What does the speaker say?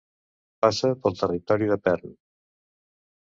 Passa pel territori de Perm.